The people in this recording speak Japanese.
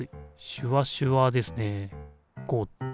シュワシュワですね。